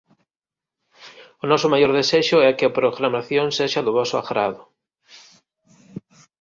O noso maior desexo é que a programación sexa do voso agrado.